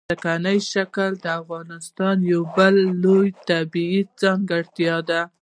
ځمکنی شکل د افغانستان یوه بله لویه طبیعي ځانګړتیا ده.